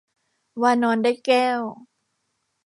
วานรได้แก้ว